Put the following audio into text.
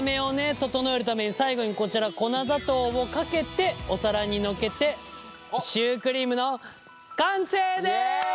整えるために最後にこちら粉砂糖をかけてお皿に載っけてシュークリームの完成です。